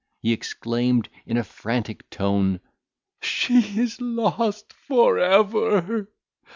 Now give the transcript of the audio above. He exclaimed, in a frantic tone, "She is lost for ever!